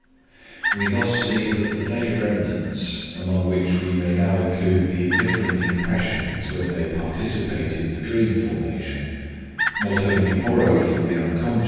We thus see that the day remnants, among which we may now include the indifferent impressions when they participate in the dream formation, not only borrow from the Unc.